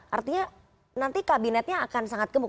artinya nanti kabinetnya akan sangat gemuk